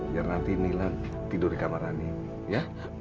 biar nanti nila tidur di kamar ani ya